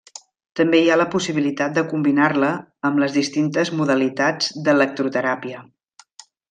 També hi ha la possibilitat de combinar-la amb les distintes modalitats d'electroteràpia.